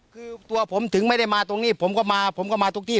คือตัวผมถึงไม่ได้มาตรงนี้ผมก็มาผมก็มาทุกที่